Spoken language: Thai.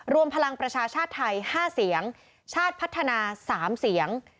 รวมพลังประชาชาติไทย๕เสียงชาติพัฒนา๓เสียง